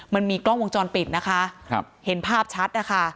มันมีกล้องวงจรปิดนะคะครับเห็นภาพชัดนะคะ